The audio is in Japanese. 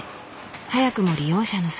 早くも利用者の姿。